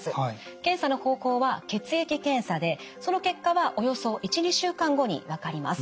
検査の方法は血液検査でその結果はおよそ１２週間後に分かります。